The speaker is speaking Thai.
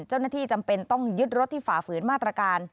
เจ้าหน้าที่จำเป็นต้องยึดรถที่ฝ่าฝืนมาตรการ